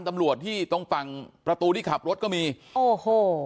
ตำรวจที่ตรงฝั่งประตูที่ขับรถก็มีโอ้โห